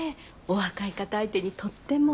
お若い方相手にとっても。